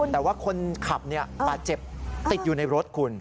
แต่ว่าคนขับบาดเจ็บติดอยู่ในรถคุณ